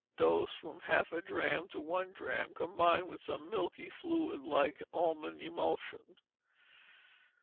Dose, from half a drachm to one drachm, combined with some milky fluid, like almond emulsion.